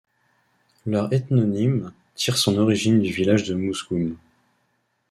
Leur ethnonyme tire son origine du village de Mousgoum.